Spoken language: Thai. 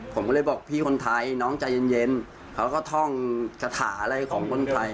ผมก็เลยบอกพี่คนไทยน้องใจเย็นเขาก็ท่องคาถาอะไรของคนไทย